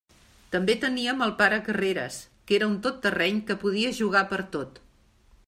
També teníem el pare Carreres, que era un tot terreny que podia jugar pertot.